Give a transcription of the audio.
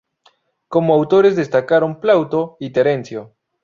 Como autores destacaron Plauto y Terencio.